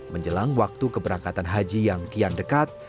menjelang waktu keberangkatan haji yang kian dekat